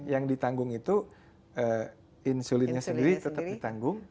yang ditanggung itu insulinnya sendiri tetap ditanggung